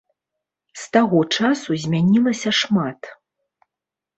З таго часу змянілася шмат.